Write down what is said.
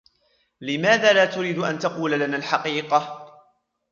لماذا لا تريد أن تقول لنا الحقيقة؟